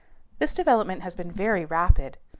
This development has been very rapid.